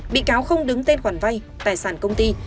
bị cáo không đứng tên khoản vay tài sản công ty